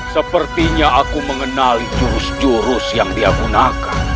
sepertinya aku mengenali jurus jurus yang dia gunakan